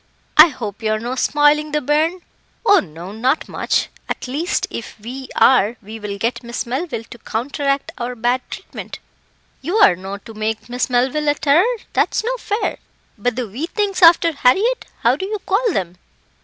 "I hope you're no spoiling the bairn." "Oh! no, not much at least, if we are, we will get Miss Melville to counteract our bad treatment." "You're no to make Miss Melville a terror that's no fair. But the wee things after Harriett, how do you call them?"